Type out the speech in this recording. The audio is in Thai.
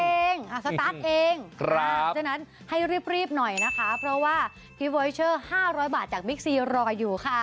เพราะฉะนั้นให้รีบหน่อยนะคะเพราะว่าพี่เวเชอร์๕๐๐บาทจากบิ๊กซีรออยู่ค่ะ